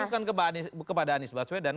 gak mungkin ditutupkan kepada anies baswedan